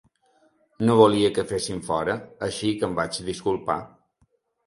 No volia que fessin fora, així que em vaig disculpar.